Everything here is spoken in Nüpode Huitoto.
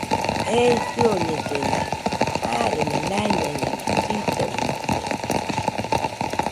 Ei kɨoñellena arena naiñañona llidonote